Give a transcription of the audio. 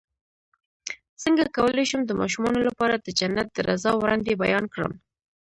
څنګه کولی شم د ماشومانو لپاره د جنت د رضا وړاندې بیان کړم